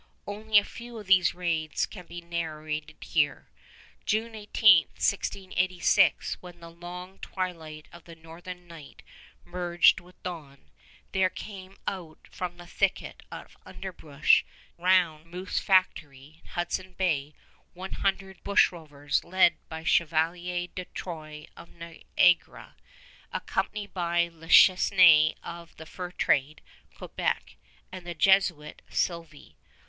Only a few of these raids can be narrated here. June 18, 1686, when the long twilight of the northern night merged with dawn, there came out from the thicket of underbrush round Moose Factory, Hudson Bay, one hundred bush rovers, led by Chevalier de Troyes of Niagara, accompanied by Le Chesnaye of the fur trade, Quebec, and the Jesuit, Sylvie.